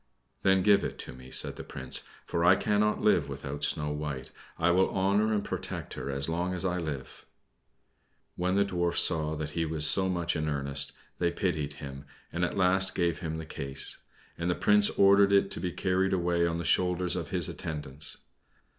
"Then give it to me," said the Prince; "for I cannot live without Snow White. I will honor and protect her as long as I live." When the Dwarfs saw that he was so much in earnest, they pitied him, and at last gave him the case, and the Prince ordered it to be carried away on the shoulders of his attendants.